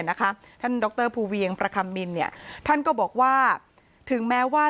ท่านดรภูเวียงประคัมมินเนี่ยท่านก็บอกว่าถึงแม้ว่า